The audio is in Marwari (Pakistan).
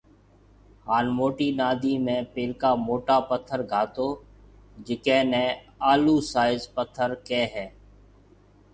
هان موٽِي نادي ۾ پيلڪا موٽا پٿر گھاتوجيڪيَ نيَ آلوُ سائز پٿر ڪيَ هيَ